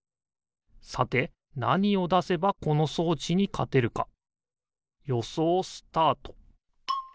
さてなにをだせばこのそうちにかてるかよそうスタート！